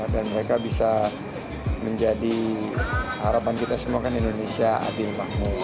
dan mereka bisa menjadi harapan kita semua kan indonesia adil mahmud